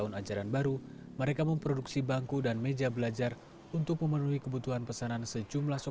hai teman teman kami merupakan pizza vendera di miol bunyi laman jalan jalan suara edem